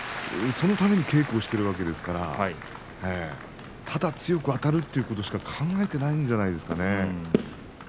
そのために稽古しているわけですからただ強くあたるということだけしか考えていないんじゃないですかね。